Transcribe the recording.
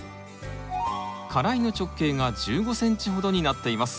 花蕾の直径が１５ｃｍほどになっています。